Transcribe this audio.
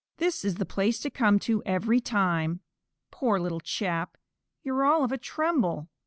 "This is the place to come to every time. Poor little chap, you're all of a tremble.